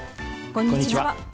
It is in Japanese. こんにちは。